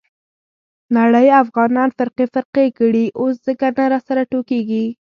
نړۍ افغانان فرقې فرقې کړي. اوس ځکه نه سره راټولېږي.